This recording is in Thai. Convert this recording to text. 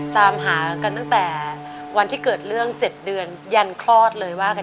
ตามหากันตั้งแต่วันที่เกิดเรื่อง๗เดือนยันคลอดเลยว่ากัน